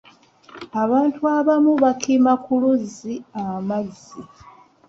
Abantu abamu bakima ku luzzi amazzi.